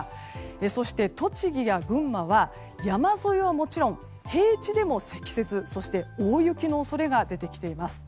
そして、栃木や群馬は山沿いはもちろん平地でも積雪そして大雪の恐れが出てきています。